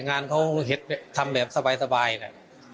งานเขาเห็นทำแบบสบายแหละ